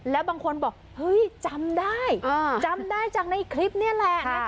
แล้วบางคนบอกเฮ้ยจำได้จำได้จากในคลิปนี่แหละนะ